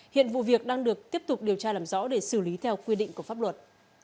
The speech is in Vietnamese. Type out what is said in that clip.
hiện vụ việc đang được tiếp tục điều tra làm rõ để xử lý theo quy định của pháp luật